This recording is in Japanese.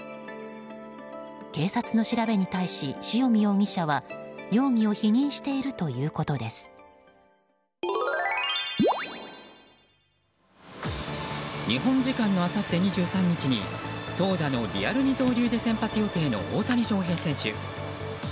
警察の調べに対し塩見容疑者は容疑を否認している日本時間のあさって２３日に投打のリアル二刀流で先発予定の大谷翔平選手。